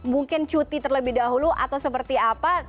mungkin cuti terlebih dahulu atau seperti apa